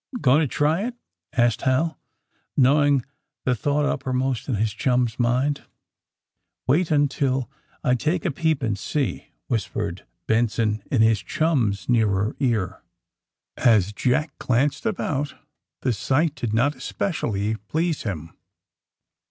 ^^ Going to try it?" asked Hal, knowing the thought uppermost in his chum's mind. ^^Wait until I take a peep and see," whis pered Benson in his chum's nearer ear. As Jack glanced about the sight did not espe cially please him.